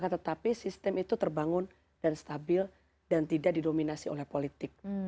tetapi sistem itu terbangun dan stabil dan tidak didominasi oleh politik